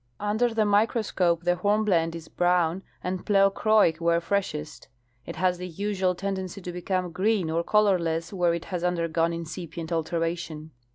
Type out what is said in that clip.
Under the microscope the hornblende is brown and pleochroic where freshest. It has the usual tendency to become green or colorless wdiere it, has undergone incipient alteration.